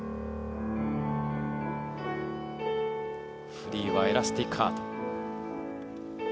フリーは「エラスティック・ハート」。